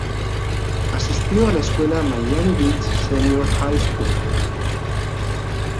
Asistió a la escuela Miami Beach Senior High School.